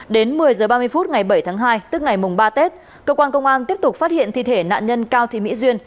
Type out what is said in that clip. đến một mươi h ba mươi phút ngày bảy tháng hai tức ngày mùng ba tết cơ quan công an tiếp tục phát hiện thi thể nạn nhân cao thị mỹ duyên